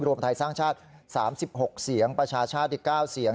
รวมไทยสร้างชาติ๓๖เสียงประชาชาติอีก๙เสียง